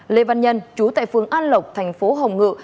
lê văn nhân chú tại phường an lộc thành phố hồng ngự